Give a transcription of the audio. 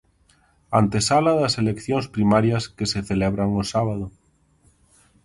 Antesala das eleccións primarias que se celebran o sábado.